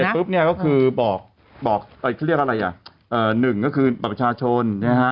เสร็จปุ๊บเนี่ยก็คือบอกนี่เรียกอะไรอ่ะ